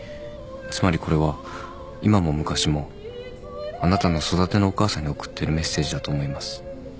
つまりこれは今も昔もあなたの育てのお母さんに送ってるメッセージだと思います。